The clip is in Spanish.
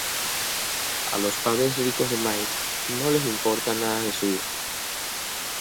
A los padres ricos de Mike no les importa nada de su hijo.